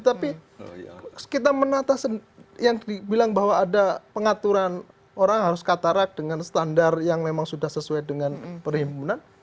tapi kita menata yang dibilang bahwa ada pengaturan orang harus katarak dengan standar yang memang sudah sesuai dengan perhimpunan